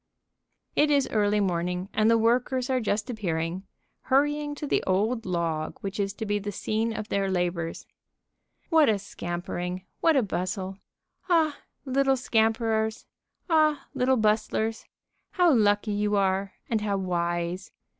It is early morning, and the workers are just appearing, hurrying to the old log which is to be the scene of their labors. What a scampering! What a bustle! Ah, little scamperers! Ah, little bustlers! How lucky you are, and how wise!